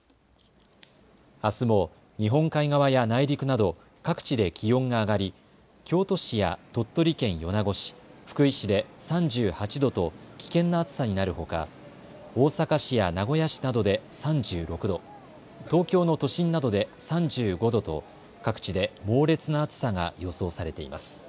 あすも日本海側や内陸など各地で気温が上がり京都市や鳥取県米子市、福井市で３８度と危険な暑さになるほか大阪市や名古屋市などで３６度、東京の都心などで３５度と各地で猛烈な暑さが予想されています。